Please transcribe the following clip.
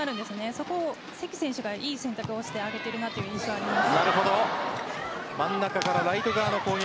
そこを関選手が良い選択をして上げているという印象があります。